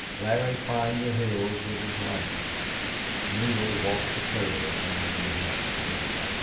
Larry climbed the hills with his rifle. Neale walked the trails hand in hand with Allie.